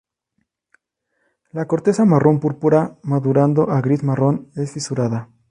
La corteza marrón-púrpura madurando a gris-marrón es fisurada.